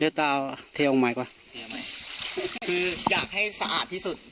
เดี๋ยวจะเอาเทออกใหม่กว่าเทไหมคืออยากให้สะอาดที่สุด